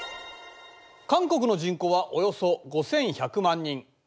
韓国の人口はおよそ５，１００万人。